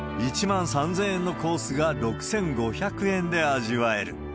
１万３０００えんのコースが６５００円で味わえる。